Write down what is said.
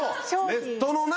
ネットのね。